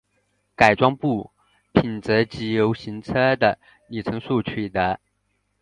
改装部品则藉由行车的里程数取得。